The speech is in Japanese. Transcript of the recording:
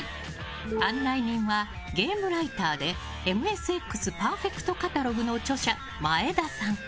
案内人はゲームライターで「ＭＳＸパーフェクトカタログ」の著者前田さん。